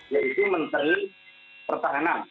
yaitu menteri pertahanan